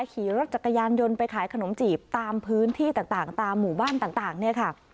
ขี่รถจักรยานยนต์ไปขายขนมจีบตามพื้นที่ต่างตามหมู่บ้านต่างเนี่ยค่ะ